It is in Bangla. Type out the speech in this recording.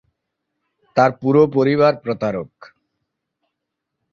তার পুরো পরিবার প্রতারক।